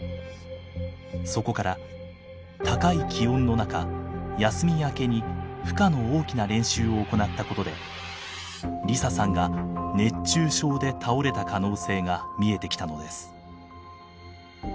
そこから高い気温の中休み明けに負荷の大きな練習を行ったことで梨沙さんが熱中症で倒れた可能性が見えてきたのです。